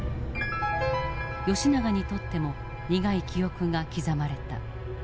永にとっても苦い記憶が刻まれた。